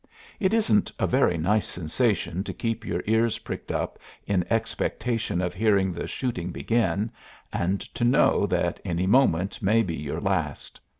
It isn't a very nice sensation to keep your ears pricked up in expectation of hearing the shooting begin, and to know that any moment may be your last.